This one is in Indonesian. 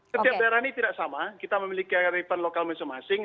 setiap daerah ini tidak sama kita memiliki kearifan lokal masing masing